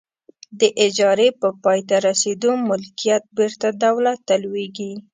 د اجارې په پای ته رسیدو ملکیت بیرته دولت ته لویږي.